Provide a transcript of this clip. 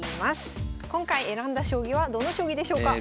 今回選んだ将棋はどの将棋でしょうか？